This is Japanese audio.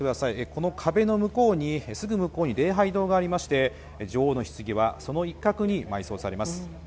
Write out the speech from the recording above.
この壁のすぐ向こうに礼拝堂がありまして女王のひつぎはその一角に埋葬されます。